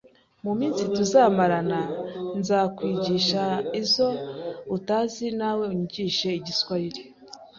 Mu minsi tuzamarana nzakwigisha izo utazi nawe unyigishe Igiswayire